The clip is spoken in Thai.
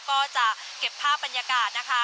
ก็จะเก็บภาพบรรยากาศนะคะ